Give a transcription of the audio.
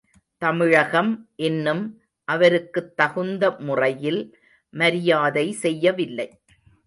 தமிழகம் இன்னும் அவருக்குத் தகுந்த முறையில் மரியாதை செய்யவில்லை.